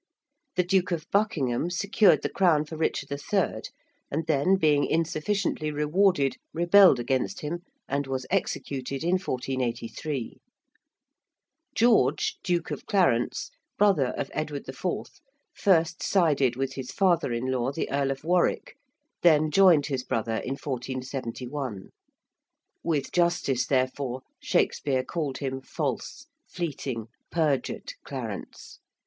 ~The Duke of Buckingham~ secured the crown for Richard III., and then being insufficiently rewarded rebelled against him, and was executed in 1483. ~George, Duke of Clarence~, brother of Edward IV., first sided with his father in law, the Earl of Warwick, then joined his brother in 1471. With justice, therefore, Shakespeare called him 'false, fleeting, perjured Clarence.